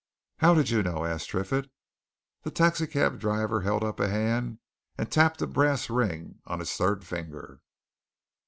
"How did you know?" asked Triffitt. The taxi cab driver held up a hand and tapped a brass ring on its third finger.